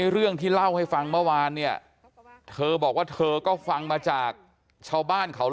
เรื่องที่เล่าให้ฟังเมื่อวานเนี่ยเธอบอกว่าเธอก็ฟังมาจากชาวบ้านเขา